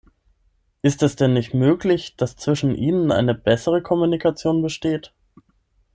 Ist es denn nicht möglich, dass zwischen Ihnen eine bessere Kommunikation besteht?